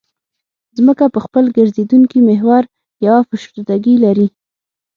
ځمکه په خپل ګرځېدونکي محور یوه فشردګي لري